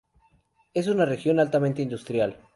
Es una región altamente industrial.